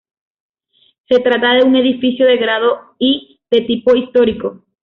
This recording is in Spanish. Se trata de un edificio de Grado I de tipo Histórico.